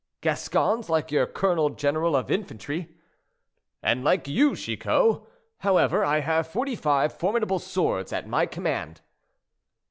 "Gascons, like your colonel general of infantry." "And like you, Chicot. However, I have forty five formidable swords at command."